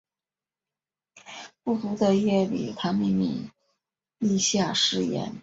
孤独的夜里他秘密立下誓言